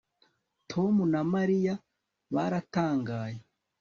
Tom na Mariya baratangaye